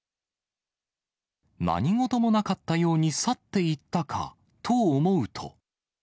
何事もなかったように去っていったかと思うと。